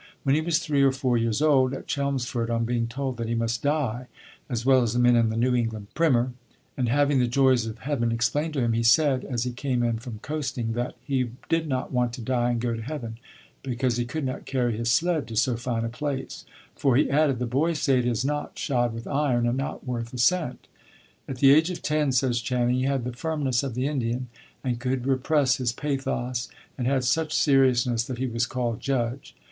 When he was three or four years old, at Chelmsford, on being told that he must die, as well as the men in the New England Primer, and having the joys of heaven explained to him, he said, as he came in from "coasting," that he did not want to die and go to heaven, because he could not carry his sled to so fine a place; for, he added, "the boys say it is not shod with iron, and not worth a cent." At the age of ten, says Channing, "he had the firmness of the Indian, and could repress his pathos, and had such seriousness that he was called 'judge.'"